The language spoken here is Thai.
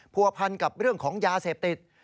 ผัวพันกับเรื่องของยาเสพติด